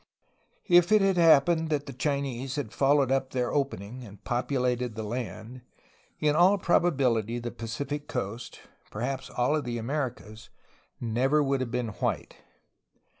If it had happened that the Chinese had followed up their opening and populated the land, in all probability the Paci fic coast, perhaps all of the Americas, never would have been white.